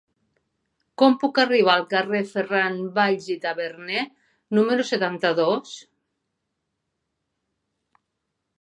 Com puc arribar al carrer de Ferran Valls i Taberner número setanta-dos?